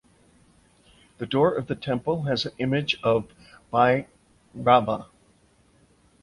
The door of the temple has an image of Bhairava.